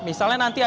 misalnya nanti ada